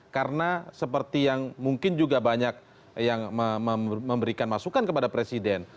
karena seperti yang mungkin juga banyak yang memberikan masukan kepada presiden